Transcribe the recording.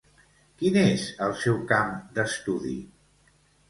Quin és el seu camp d'estudi?